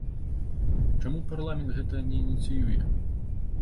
Чаму парламент гэтага не ініцыюе?